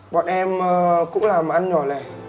bọn em cũng làm ăn nhỏ lẻ